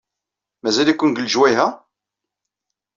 Mazal-iken deg lejwayeh-a?